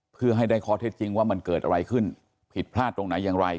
เพื่อให้ได้ข้อเท็จจริงว่ามันเกิดอะไรขึ้นผิดพลาดตรงไหนอย่างไร